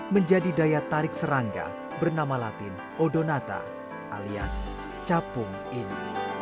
menjadi daya tarik serangga bernama latin odonata alias capung ini